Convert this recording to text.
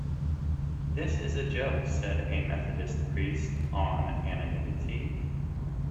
This is a joke, said a Methodist priest on anonymity.